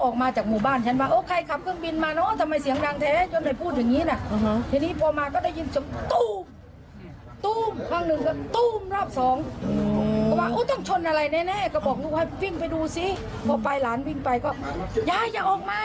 การวิ่งไปก็ใจอย่าออกมาใจอย่าออกมา